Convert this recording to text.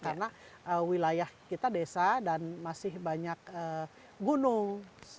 karena wilayah kita desa dan masih banyak gunung